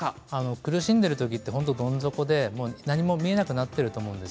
苦しんでる時は、どん底で何も見えなくなっていると思います。